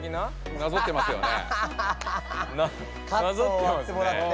なぞってますね。